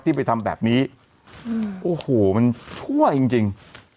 ไปทำแบบนี้โอ้โหมันชั่วจริงจริง